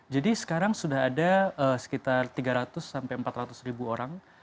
jadi sekarang sudah ada sekitar tiga ratus empat ratus ribu orang